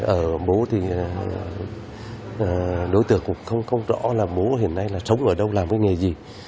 ở bố thì đối tượng cũng không rõ là bố hiện nay là sống ở đâu làm cái nghề gì